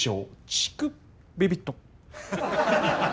ちくビビッと！